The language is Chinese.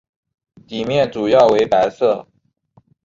底面主要为白色。